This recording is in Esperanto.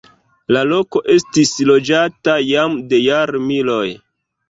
La loko estis loĝata jam de jarmiloj.